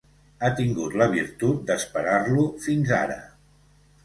Ha tingut la virtut d'esperar-lo fins ara.